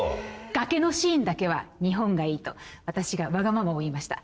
崖のシーンだけは日本がいいと私がわがままを言いました。